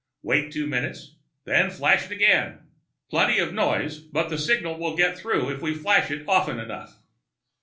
Wait two minutes, then flash it again. Plenty of noise, but the signal will get through if we flash it often enough."